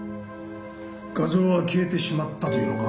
画像は消えてしまったというのか。